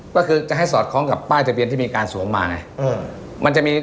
ก็คือจะให้สอดคล้องกับป้ายทะเบียนที่มีการสวมมาไง